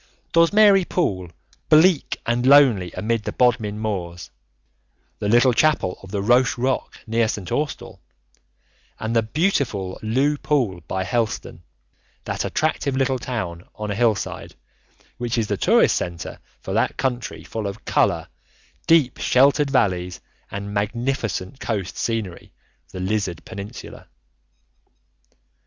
Dozmary Pool, bleak and lonely amid the Bodmin Moors, the little chapel on the Roche Rock near St. Austell, and the beautiful Looe Pool by Helston, that attractive little town on a hillside, which is the tourist centre for that country full of colour, deep sheltered valleys, and magnificent coast scenery, the Lizard peninsula.